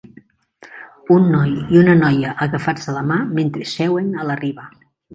Un noi i una noia agafats de la mà mentre seuen a la riba.